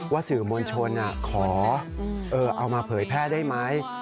สื่อมวลชนขอเอามาเผยแพร่ได้ไหม